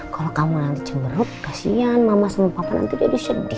kalo kamu nanti cemberut kasian mama sama papa nanti jadi sedih